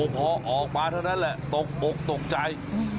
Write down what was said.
พอออกมาเท่านั้นแหละตกอกตกใจ